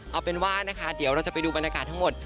เอาเป็นว่านะคะเดี๋ยวเราจะไปดูบรรยากาศทั้งหมด